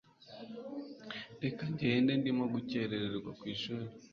reka ngende ndimo gukererwa kwishuli